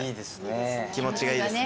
気持ちがいいですね。